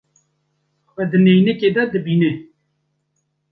Xwe di neynikê de dibîne.